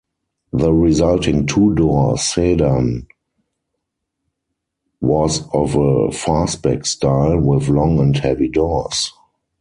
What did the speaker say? The resulting two-door sedan was of a fastback style, with long and heavy doors.